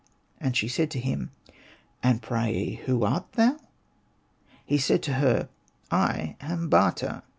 And she said to him, " And, pray, who art thou ?" He said to her, " I am Bata.